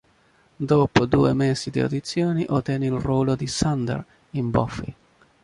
Dopo due mesi di audizioni ottenne il ruolo di Xander in "Buffy".